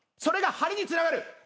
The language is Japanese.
それが張りにつながる。